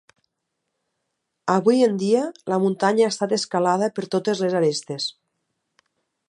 Avui en dia la muntanya ha estat escalada per totes les arestes.